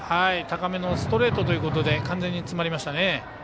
高めのストレートということで完全に詰まりましたね。